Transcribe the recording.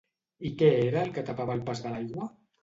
I què era el que tapava el pas de l'aigua?